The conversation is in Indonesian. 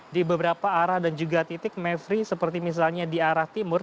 di beberapa arah dan juga titik mevri seperti misalnya di arah timur